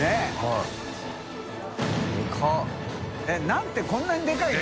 ナンってこんなにでかいの？